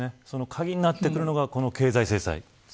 その鍵になってくるのが経済制裁。